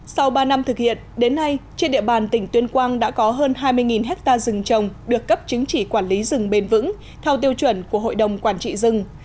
sau ba năm thực hiện đến nay trên địa bàn tỉnh tuyên quang đã có hơn hai mươi hectare rừng trồng được cấp chứng chỉ quản lý rừng bền vững theo tiêu chuẩn của hội đồng quản trị rừng